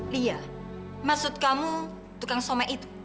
lia maksud kamu tukang soma itu